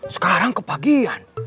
sekarang ke pagian